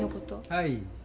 はい。